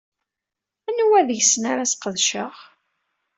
Anwa deg-sen ara sqedceɣ?